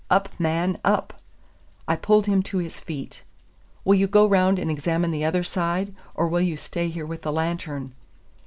Up, man, up!" I pulled him to his feet. "Will you go round and examine the other side, or will you stay here with the lantern?"